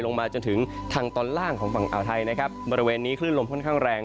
ลงมาจนถึงทางตอนล่างของฝั่งอ่าวไทยนะครับบริเวณนี้คลื่นลมค่อนข้างแรง